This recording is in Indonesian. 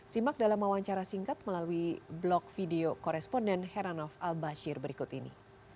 simak dalam wawancara singkat melalui blog video koresponden heranov al bashir berikut ini